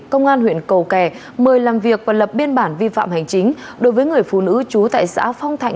công an huyện cầu kè mời làm việc và lập biên bản vi phạm hành chính đối với người phụ nữ trú tại xã phong thạnh